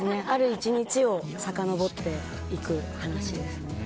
ある１日をさかのぼっていく話です。